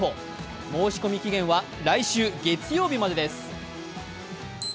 申込期限は来週月曜日までです。